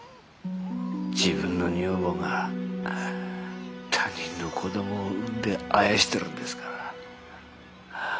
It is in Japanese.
自分の女房が他人の子どもを産んであやしてるんですから。